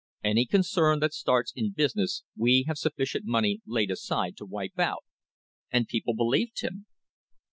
Any concern that starts in business we have sufficient money laid aside to wipe out"* — and peo ple believed him!